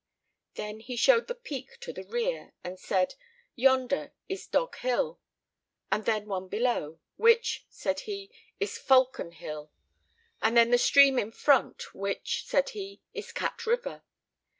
Then he showed the peak to the rear, and said, "Yonder is Dog Hill," and then one below, "which," said he, "is Falcon Hill," and then the stream in front, "which," said he, "is Cat River.